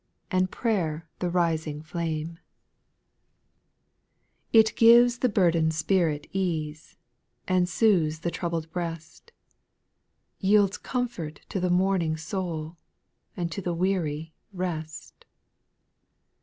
And prayer the rising ^dimie. * 92 SPIRITUAL SONGS. 2. It gives the burdened spirit ease, And soothes the troubled breast, Yields comfort to the mourning soul, And to the weary rest.